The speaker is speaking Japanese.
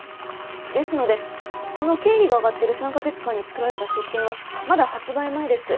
ですのでこの経費が上がってる３か月間に作られた石鹸はまだ発売前です。